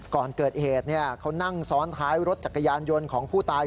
ก่อนเกิดเหตุเขานั่งซ้อนท้ายรถจักรยานยนต์ของผู้ตาย